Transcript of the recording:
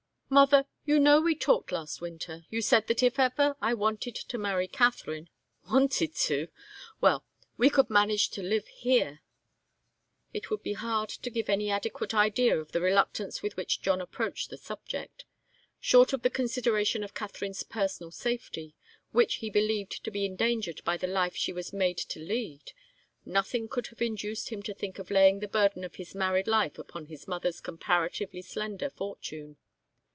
Mother you know we talked last winter you said that if ever I wanted to marry Katharine wanted to! Well that we could manage to live here " It would be hard to give any adequate idea of the reluctance with which John approached the subject. Short of the consideration of Katharine's personal safety, which he believed to be endangered by the life she was made to lead, nothing could have induced him to think of laying the burden of his married life upon his mother's comparatively slender fortune.